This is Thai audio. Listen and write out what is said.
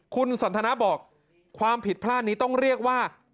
คุณสันทนาบอกความผิดพลาดนี้ต้องเรียกว่า